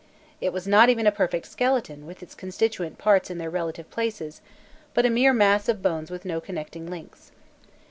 It was not even a perfect skeleton with its constituent parts in their relative places, but a mere mass of bones with no connecting links.